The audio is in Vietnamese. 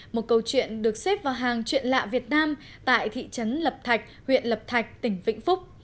một câu chuyện được xếp vào hàng chuyện lạ việt nam tại thị trấn lập thạch huyện lập thạch tỉnh vĩnh phúc